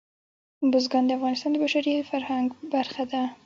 بزګان د افغانستان د بشري فرهنګ برخه ده.